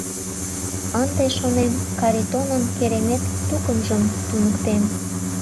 «Ынде, — шонем, — Каритонын керемет тукымжым туныктем!